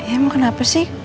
emang kenapa sih